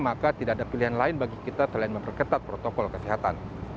maka tidak ada pilihan lain bagi kita selain memperketat protokol kesehatan